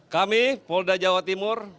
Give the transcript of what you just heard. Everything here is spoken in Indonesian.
kami polda jawa timur